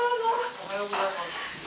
おはようございます。